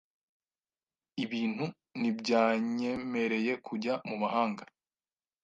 Ibintu ntibyanyemereye kujya mu mahanga .